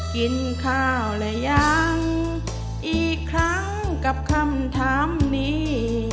กินข้าวหรือยังอีกครั้งกับคำถามนี้